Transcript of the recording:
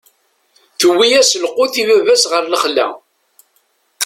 Tewwi-yas lqut i baba-s ɣer lexla.